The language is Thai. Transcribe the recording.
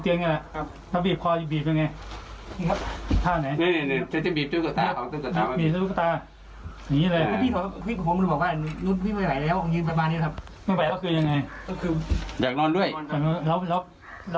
อยากนอนด้วย